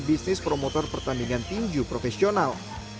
bisnis promotor pertandingan tinju profesional